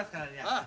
ああ。